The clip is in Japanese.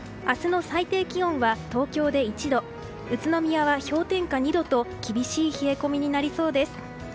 明日の最低気温は東京で１度宇都宮は氷点下２度と厳しい冷え込みになりそうです。